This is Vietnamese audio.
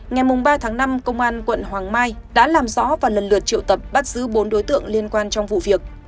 ngày ba tháng năm công an quận hoàng mai đã làm rõ và lần lượt triệu tập bắt giữ bốn đối tượng liên quan trong vụ việc